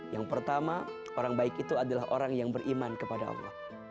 yang pertama orang baik itu adalah orang yang beriman kepada allah